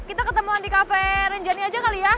kita ketemuan di kafe renjani aja kali ya